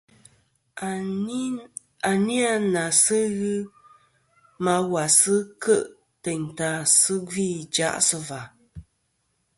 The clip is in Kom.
À ni a nà sɨ ghɨ ma wà sɨ kêʼ tèyn ta à sɨ gvî ìjaʼ sɨ và.